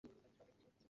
Sorry, কি বললি তুই?